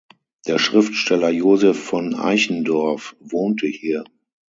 Der Schriftsteller Joseph von Eichendorff wohnte hier.